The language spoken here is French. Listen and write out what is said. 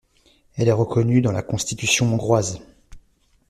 Elle est reconnue dans la constitution hongroise.